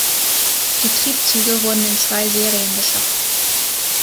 Die Triebzüge wurden in zwei Serien beschafft.